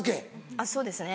あっそうですね